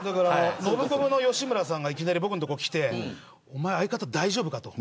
ノブコブの吉村さんがいきなり僕のところに来ておまえ、相方、大丈夫かと。